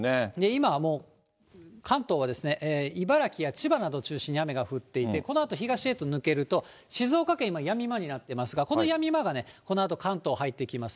今、もう関東は茨城や千葉など中心に雨が降っていて、このあと、東へと抜けると、静岡県今やみ間になってますが、このやみ間がね、このあと、関東入ってきます。